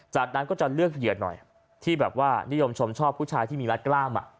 จากนั้นก็จะเลือกเหยื่อหน่อยที่แบบว่านิยมชมชอบผู้ชายที่มีวัดกล้าม